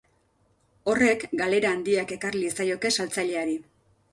Horrek galera handiak ekar liezaioke saltzaileari.